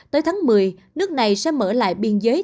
tới tháng một mươi nước này sẽ mở lại biên giới